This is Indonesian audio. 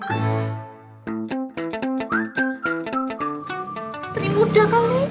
istri muda kali ini